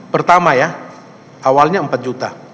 pertama ya awalnya empat juta